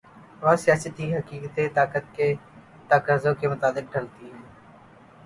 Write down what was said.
اور یہ سیاسی حقیقتیں طاقت کے تقاضوں کے مطابق ڈھلتی ہیں۔